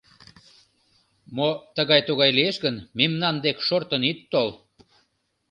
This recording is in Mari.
Мо тыгай-тугай лиеш гын, мемнан дек шортын ит тол.